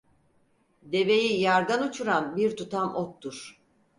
Deveyi yardan uçuran bir tutam ottur.